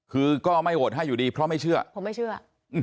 คือก็ไม่โหวตให้อยู่ดีเพราะไม่เชื่อผมไม่เชื่อ